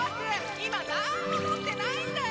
今何も持ってないんだよ